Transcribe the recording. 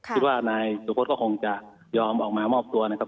คิดว่านายสุพธก็คงจะยอมออกมามอบตัวนะครับ